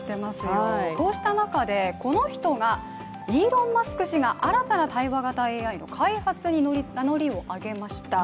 こうした中でこの人が、イーロン・マスク氏が新たな対話型ＡＩの開発に名乗りを上げました。